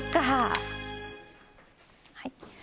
はい。